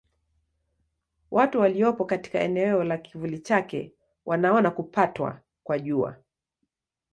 Watu waliopo katika eneo la kivuli chake wanaona kupatwa kwa Jua.